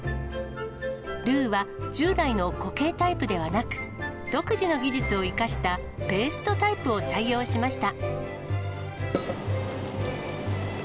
ルーは従来の固形タイプではなく、独自の技術を生かしたペーストタイプを採用しました。